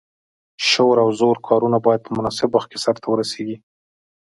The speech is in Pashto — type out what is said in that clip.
شور او زور کارونه باید په مناسب وخت کې سرته ورسیږي.